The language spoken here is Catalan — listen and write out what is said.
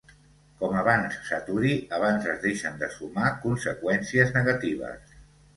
Com abans s'aturi abans es deixen de sumar conseqüències negatives.